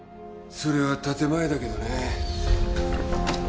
それは建前だけどね。